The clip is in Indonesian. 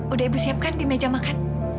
udah ibu siapkan di meja makan